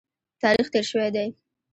تاریخ تېر شوی دی.